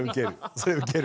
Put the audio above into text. それウケる。